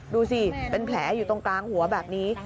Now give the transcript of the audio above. ดูสิเป็นแผลอยู่ตรงกลางหัวแบบนี้